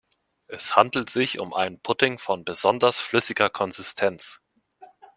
Es handelt sich um einen Pudding von besonders flüssiger Konsistenz.